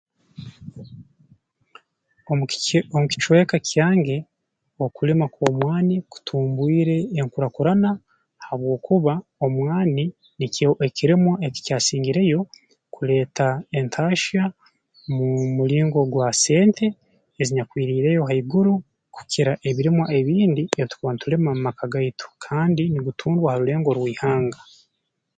Omu kicw omu kicweka kyange okulima kw'omwani kutumbwire enkurakurana habwokuba omwani nikyo ekirimwa ekikyasingireyo kuleeta entaahya mu mulingo gwa sente ezinyakwiriireyo haiguru kukira ebirimwa ebindi ebi tukuba ntulima mu maka gaitu kandi nigutundwa ha rulengo rw'ihanga